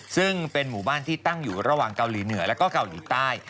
ซึ่งเป็นหมู่บ้านที่ตั้งอยู่ระหว่างเกาหลีเหนือแล้วก็เกาหลีใต้